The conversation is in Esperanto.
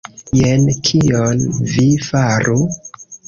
Jen kion vi faru.